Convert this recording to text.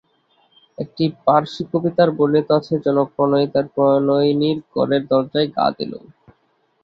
একটি পারসী কবিতায় বর্ণিত আছে, জনৈক প্রণয়ী তার প্রণয়িনীর ঘরের দরজায় ঘা দিল।